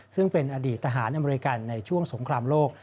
ซึ่งเป็นอดีตทหารอเมริกันในช่วงสงครามโลก